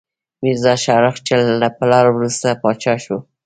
میرزا شاهرخ، چې له پلار وروسته پاچا شو.